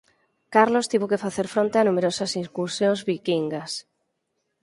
Carlos tivo de facer fronte a numerosas incursións viquingas.